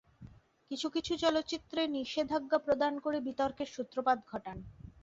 কিন্তু কিছু চলচ্চিত্রে নিষেধাজ্ঞা প্রদান করে বিতর্কের সূত্রপাত ঘটান।